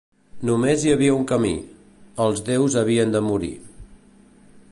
Només hi havia un camí: els déus havien de morir.